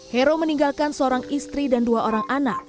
hero meninggalkan seorang istri dan dua orang anak